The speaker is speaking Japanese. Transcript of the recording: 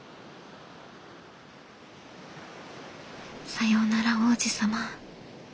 「さようなら王子様。